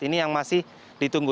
ini yang masih ditunggu